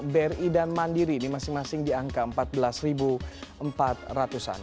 bri dan mandiri ini masing masing di angka empat belas empat ratus an